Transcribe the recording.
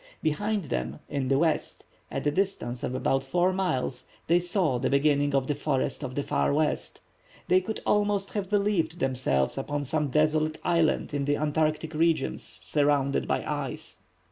Behind them, in the west, at a distance of about four miles, they saw the beginning of the Forests of the Far West. They could almost have believed themselves upon some desolate island in the Antarctic regions surrounded by ice.